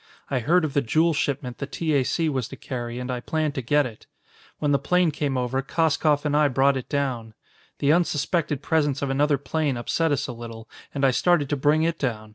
I heard of the jewel shipment the T. A. C. was to carry and I planned to get it. When the plane came over, Koskoff and I brought it down. The unsuspected presence of another plane upset us a little, and I started to bring it down.